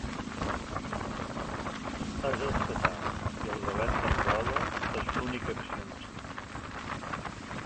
És estatal i el Govern d'Angola és l'únic accionista.